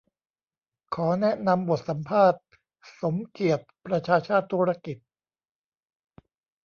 ขอแนะนำบทสัมภาษณ์สมเกียรติ ประชาชาติธุรกิจ